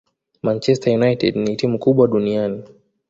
Manchester United ni timu kubwa duniani